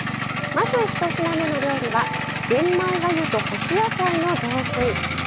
まず一品目の料理は玄米がゆと干し野菜の雑炊。